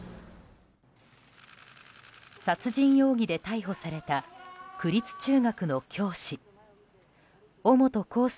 殺人容疑で逮捕された区立中学校の教師尾本幸祐